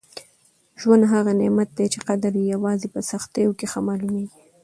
ژوند هغه نعمت دی چي قدر یې یوازې په سختیو کي ښه معلومېږي.